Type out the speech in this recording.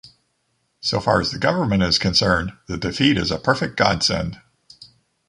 So far as the government is concerned, the defeat is a perfect godsend.